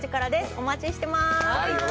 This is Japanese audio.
お待ちしてます。